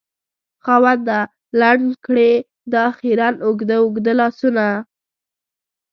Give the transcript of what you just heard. خاونده! لنډ کړې دا خیرن اوږده اوږده لاسونه